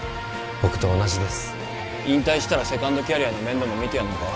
僕と同じです引退したらセカンドキャリアの面倒も見てやんのか？